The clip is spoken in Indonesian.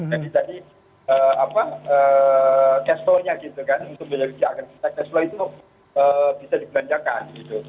jadi tadi cash flow nya gitu kan cash flow itu bisa digunakan gitu